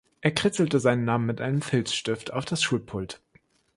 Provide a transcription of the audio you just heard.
Er kritzelte seinen Namen mit einem Filzstift auf das Schulpult.